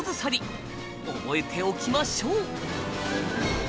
覚えておきましょう。